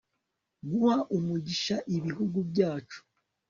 guha umugisha ibihugu byacu